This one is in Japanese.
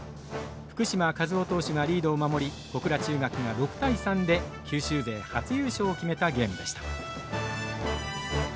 福嶋一雄投手がリードを守り小倉中学が６対３で九州勢初優勝を決めたゲームでした。